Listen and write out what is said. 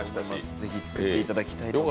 ぜひ作っていただきたいと思います。